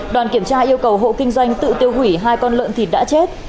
đoàn kiểm tra yêu cầu hộ kinh doanh tự tiêu hủy hai con lợn thịt đã chết